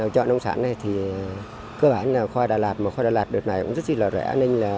chợ nông sản này thì cơ bản là khoai đà lạt mà khoai đà lạt đợt này cũng rất là rẻ